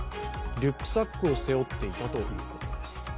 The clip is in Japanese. リュックサックを背負っていたということです。